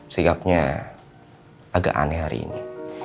sikapnya agak aneh hari ini